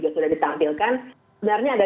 sudah ditampilkan sebenarnya ada